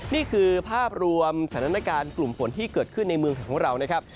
นี่คือภาพรวมสถานการณ์กลุ่มฝนที่เกิดขึ้นในเมืองไทยของเรานะครับ